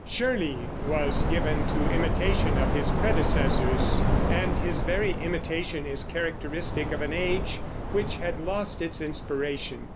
Shirley was given to imitation of his predecessors, and his very imitation is characteristic of an age which had lost its inspiration.